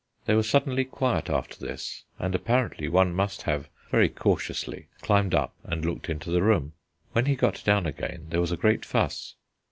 They were suddenly quiet after this, and apparently one must have, very cautiously, climbed up and looked into the room. When he got down again there was a great fuss.